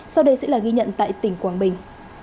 sau đây sẽ là ghi nhận tại tỉnh quảng bình